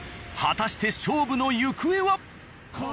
果たして勝負の行方は。